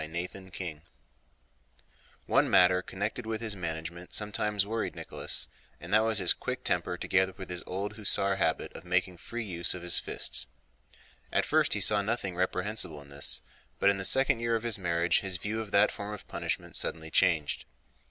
CHAPTER VIII One matter connected with his management sometimes worried Nicholas, and that was his quick temper together with his old hussar habit of making free use of his fists. At first he saw nothing reprehensible in this, but in the second year of his marriage his view of that form of punishment suddenly changed.